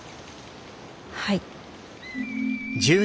はい。